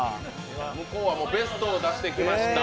向こうはベストを出してきました。